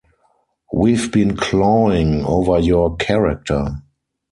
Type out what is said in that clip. We've been clawing over your character.